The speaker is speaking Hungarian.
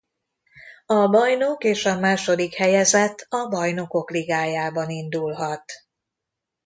A bajnok és a második helyezett a bajnokok Ligájában indulhat.